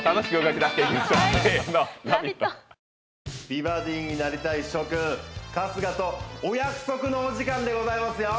美バディになりたい諸君春日とお約束のお時間でございますよ